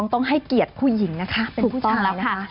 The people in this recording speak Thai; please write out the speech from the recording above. ต้องให้เกียรติผู้หญิงนะคะเป็นผู้ชายนะคะ